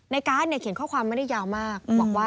ในการ์ทเขียนข้อความไม่ได้ยาวมาก